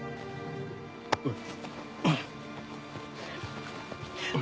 おい。